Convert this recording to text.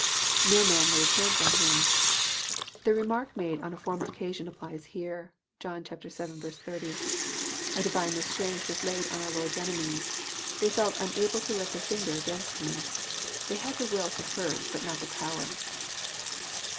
{No man laid hands on him.'] The remark made on a former occasion applies here. (John vii. 80.) A divine restraint was laid on our Lord*s enemies. They felt unable to lift a finger against Him. They had the will to hurt, but not the power.